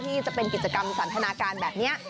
ที่จะเป็นกิจกรรมสันทนาการแบบนี้